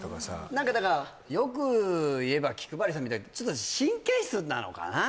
何かだからよく言えば気配りさんみたいなちょっと神経質なのかな